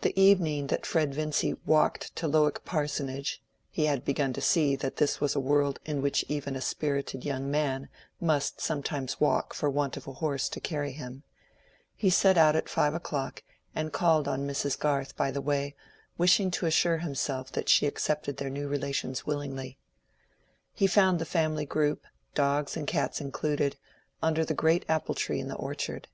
The evening that Fred Vincy walked to Lowick parsonage (he had begun to see that this was a world in which even a spirited young man must sometimes walk for want of a horse to carry him) he set out at five o'clock and called on Mrs. Garth by the way, wishing to assure himself that she accepted their new relations willingly. He found the family group, dogs and cats included, under the great apple tree in the orchard.